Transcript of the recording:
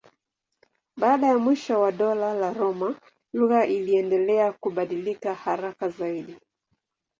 Baada ya mwisho wa Dola la Roma lugha iliendelea kubadilika haraka zaidi.